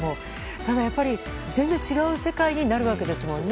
ただやっぱり全然違う世界になるわけですよね。